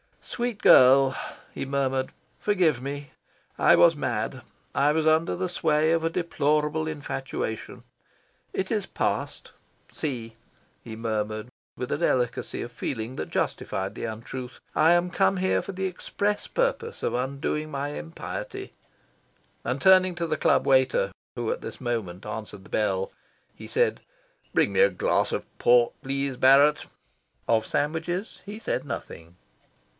"Sweet girl," he murmured, "forgive me. I was mad. I was under the sway of a deplorable infatuation. It is past. See," he murmured with a delicacy of feeling that justified the untruth, "I am come here for the express purpose of undoing my impiety." And, turning to the club waiter who at this moment answered the bell, he said "Bring me a glass of port, please, Barrett." Of sandwiches he said nothing.